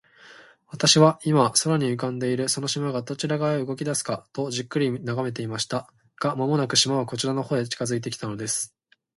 私は、今、空に浮んでいるその島が、どちら側へ動きだすかと、じっと眺めていました。が、間もなく、島はこちらの方へ近づいて来たのです。